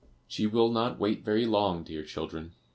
She will not wait very long, dear children.